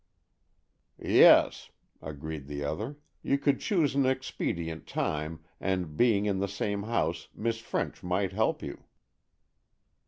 "Yes," agreed the other; "you could choose an expedient time, and, being in the same house, Miss French might help you."